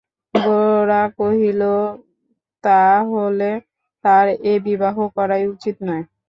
গোরা কহিল, তা হলে তার এ বিবাহ করাই উচিত নয়।